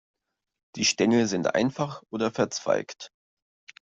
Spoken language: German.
Die Stängel sind einfach oder verzweigt.